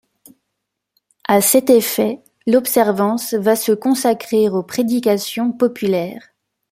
À cet effet, l'Observance va se consacrer aux prédications populaires.